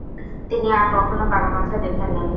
তিনি আর কখনও কারো মাঝে দেখেননি।